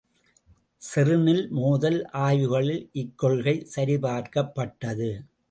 செர்னில் மோதல் ஆய்வுகளில் இக்கொள்கை சரிபார்க்கப்பட்டது.